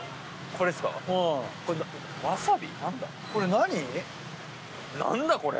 何だこれ！